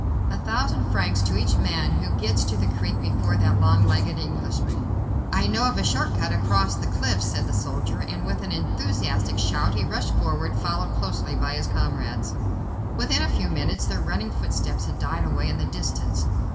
A thousand francs to each man who gets to that creek before that long legged Englishman." "I know a short cut across the cliffs," said the soldier, and with an enthusiastic shout, he rushed forward, followed closely by his comrades. Within a few minutes their running footsteps had died away in the distance.